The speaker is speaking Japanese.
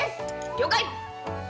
了解！